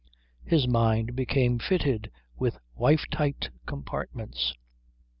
His mind became fitted with wife tight compartments.